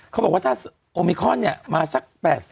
เขาบอกว่าถ้าโอมิคอนเนี่ยมาสัก๘๐